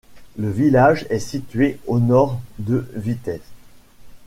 Le village est situé au nord de Vitez.